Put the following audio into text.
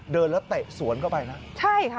เดินแล้วเตะสวนเข้าไปนะใช่ค่ะ